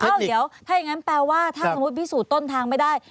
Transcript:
เอ้าเดี๋ยวถ้าอย่างนั้นแปลว่าถ้าสมมุติพิสูจน์ต้นทางไม่ได้